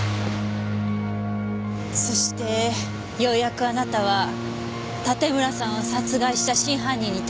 そしてようやくあなたは盾村さんを殺害した真犯人にたどり着いた。